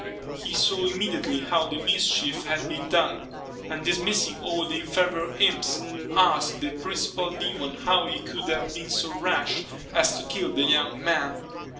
He saw immediately how the mischief had been done; and dismissing all the inferior imps, asked the principal demon how he could have been so rash as to kill the young man.